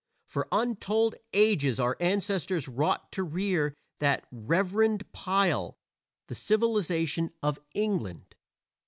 For untold ages our ancestors wrought to rear that "reverend pile," the civilization of England.